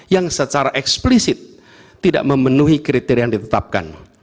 yang secara eksplisit tidak memenuhi kriteria yang ditetapkan